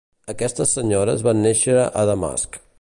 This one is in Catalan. Aquestes senyores van néixer a Damasc.